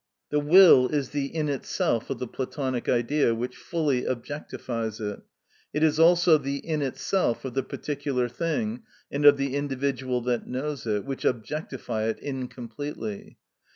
The will is the "in itself" of the Platonic Idea, which fully objectifies it; it is also the "in itself" of the particular thing and of the individual that knows it, which objectify it incompletely.